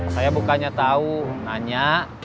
saya bukannya tau nanya